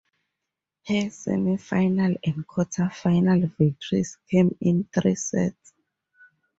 Her semifinal and quarterfinal victories came in three sets.